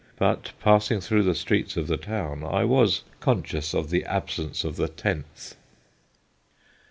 But passing through the streets of the town I was conscious of the absence of the Tenth.